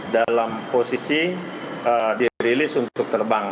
dalam posisi dirilis untuk terbang